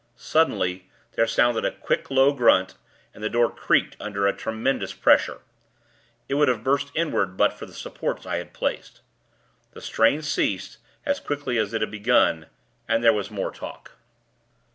Suddenly, there sounded a quick, low grunt, and the door creaked under a tremendous pressure. It would have burst inward; but for the supports I had placed. The strain ceased, as quickly as it had begun, and there was more talk.